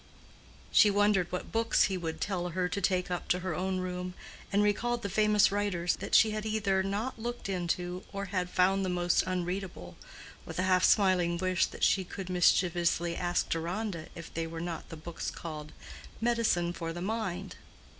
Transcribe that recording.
She wondered what books he would tell her to take up to her own room, and recalled the famous writers that she had either not looked into or had found the most unreadable, with a half smiling wish that she could mischievously ask Deronda if they were not the books called "medicine for the mind."